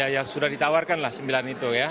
yang sudah ditawarkan lah sembilan itu ya